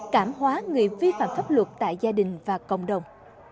cảm hóa người vi phạm pháp luật tại gia đình và cộng đồng